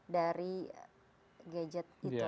dari gadget itu